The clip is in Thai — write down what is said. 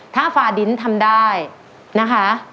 ถ้าฟาดินทำได้นะคะ